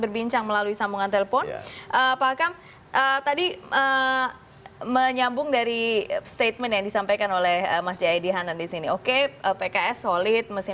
bagaimana strategi didapilnya yang menjadi